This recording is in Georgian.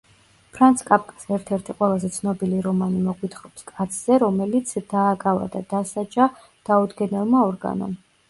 ფრანც კაფკას ერთ-ერთი ყველაზე ცნობილი რომანი მოგვითხრობს კაცზე, რომელიც დააკავა და დასაჯა დაუდგენელმა ორგანომ.